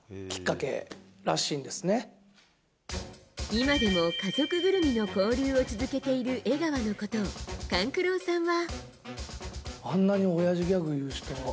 今でも家族ぐるみの交流を続けている江川のことを勘九郎さんは。